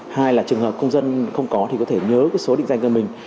hai là trường hợp công dân không có thì có thể nhớ số định danh cho mình